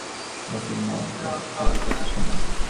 কিন্তু নবীন গেল চলে, হতবুদ্ধি মোতির মাও আস্তে আস্তে চলল তার পিছনে।